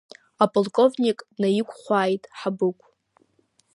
Аполковник днаиқәхәааит Хабыгә.